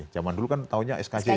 zaman dulu kan tahunya skj ya